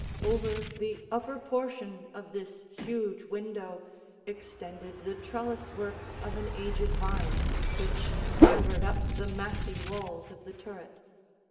Over the upper portion of this huge window, extended the trellice work of an aged vine, which clambered up the massy walls of the turret.